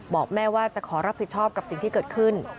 บอกแม่ว่าจะขอรับผิดชอบกับสิ่งที่เกิดขึ้น